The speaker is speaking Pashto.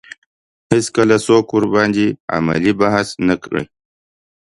هېڅکله څوک ورباندې علمي بحث نه کړي